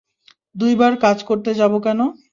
দুইবার কাজ করতে যাব কেন?